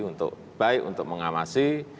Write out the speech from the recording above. untuk baik untuk mengamasi